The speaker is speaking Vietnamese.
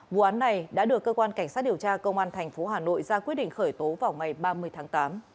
vụ án này đã được cơ quan cảnh sát điều tra công an tp hà nội ra quyết định khởi tố vào ngày ba mươi tháng tám